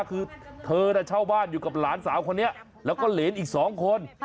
คือเธอเช่าบ้านอยู่กับหลานสาวคนนี้แล้วก็เหรนอีก๒คน